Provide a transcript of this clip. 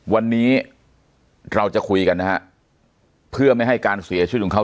วันนี้เราจะคุยกันนะฮะเพื่อไม่ให้การเสียชีวิตของเขา